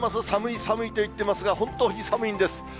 寒い、寒いと言ってますが、本当に寒いんです。